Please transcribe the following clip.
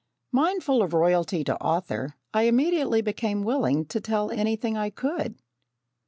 Mindful of "royalty to author," I immediately became willing to tell anything I could.